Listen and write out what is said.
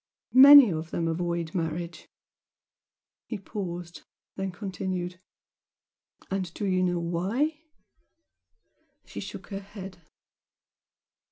Many of them avoid marriage " he paused, then continued "and do you know why?" She shook her head.